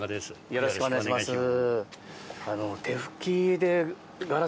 よろしくお願いします。